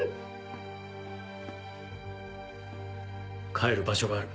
帰る場所がある。